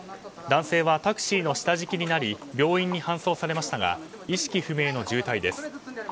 男性はタクシーの下敷きになり病院に搬送されましたが意識不明の重体です。